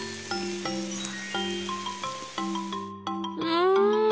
うん！